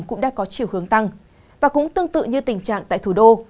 cũng đã có chiều hướng tăng và cũng tương tự như tình trạng tại thủ đô